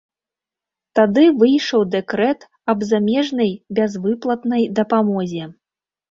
Тады выйшаў дэкрэт аб замежнай бязвыплатнай дапамозе.